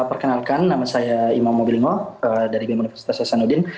perkenalkan nama saya imam mubilingo dari bim universitas sasanudin